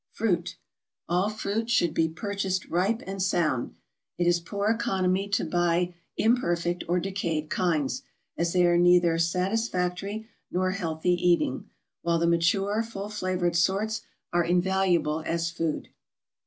=Fruit.= All fruit should be purchased ripe and sound; it is poor economy to buy imperfect or decayed kinds, as they are neither satisfactory nor healthy eating; while the mature, full flavored sorts are invaluable as food.